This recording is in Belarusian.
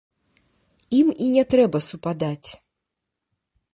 Ім і не трэба супадаць.